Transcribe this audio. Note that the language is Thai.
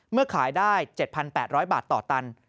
ขายได้๗๘๐๐บาทต่อตัน